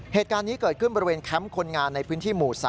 เหตุการณ์นี้เกิดขึ้นบริเวณแคมป์คนงานในพื้นที่หมู่๓